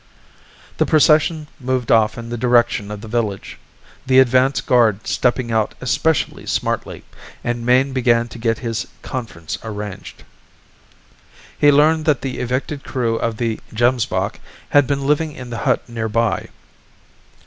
The procession moved off in the direction of the village, the advance guard stepping out especially smartly, and Mayne began to get his conference arranged. He learned that the evicted crew of the Gemsbok had been living in the hut nearby.